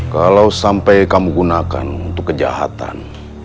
kalau sampai kamu gunakan untuk kejahatan